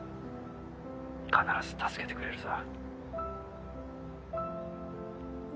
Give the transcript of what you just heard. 必ず助けてくれるさ。